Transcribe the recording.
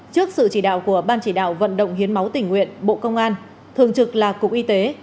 trước sự chỉ đạo của ban chỉ đạo vận động hiến máu tỉnh nguyện bộ công an thường trực là cục y tế